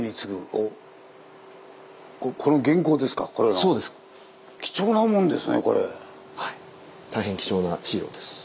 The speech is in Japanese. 大変貴重な資料です。